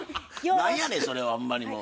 何やねんそれはほんまにもう。